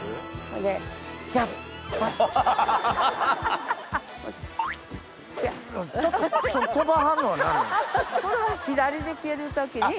これは左で蹴る時に。